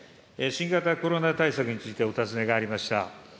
新型コロナ対策についてお尋ねがありました。